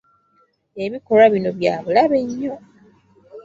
Ebikolwa bino bya bulabe nnyo.